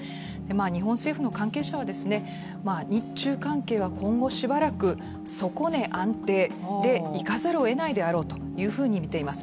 日本政府の関係者は日中関係は今後しばらく、底値安定でいかざるを得ないだろうとみています。